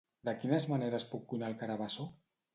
De quines maneres puc cuinar el carabassó?